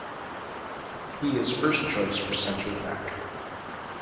He is first choice for centre back.